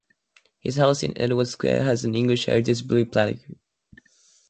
His house in Edwardes Square has an English Heritage blue plaque.